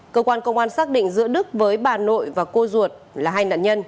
cơ quan công an xác định giữa đức với bà nội và cô ruột là hai nạn nhân